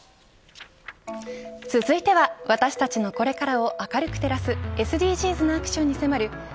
続いては、私たちのこれからを明るく照らすＳＤＧｓなアクションに迫る＃